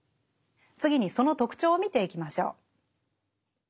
次にその特徴を見ていきましょう。